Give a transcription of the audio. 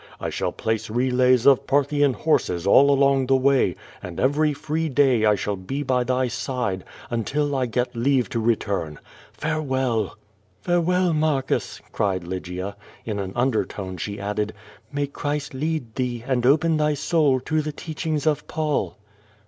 I shall place relays of Parthian horses all along the way, and every free day I shall be by thy side, until I get leave to return. Farewell!" "Farewell, Marcus!" cried Lygia. In an undertone she added, "May Christ lead thee, and open thy soul to the teach ings of Paul."